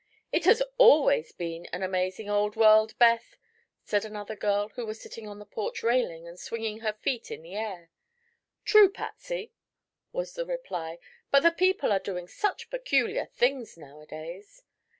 "It has always been an amazing old world, Beth," said another girl who was sitting on the porch railing and swinging her feet in the air. "True, Patsy," was the reply; "but the people are doing such peculiar things nowadays."